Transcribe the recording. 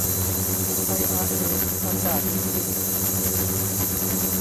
ไออาร์เอประกาศหยุดยิง